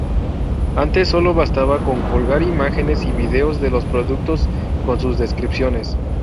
Antes sólo bastaba con colgar imágenes y vídeos de los productos con sus descripciones.